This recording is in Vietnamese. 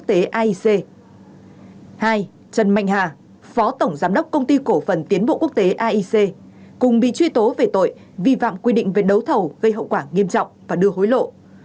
hai trần mạnh hà phó tổng giám đốc công ty cổ phần tiến bộ quốc tế aic cùng bị truy tố về tội vi phạm quy định về đấu thầu gây hậu quả nghiêm trọng và đưa hối lộ